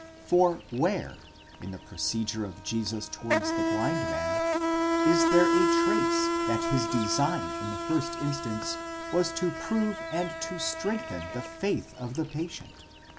For where, in the procedure of Jesus towards the blind man, is there a trace that his design in the first instance was to prove and to strengthen the faith of the patient?